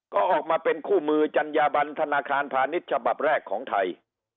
ก็ออกมาเป็นคู่มือจัญญาบันธนาคารพาณิชย์ฉบับแรกของไทย